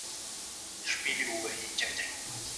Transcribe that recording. ښځه باید د تعدد نکاح په کومو مصلحتونو پوه سي؟